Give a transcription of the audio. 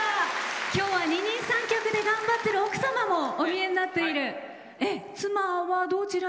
今日は二人三脚で頑張っている奥様もお見えになっている。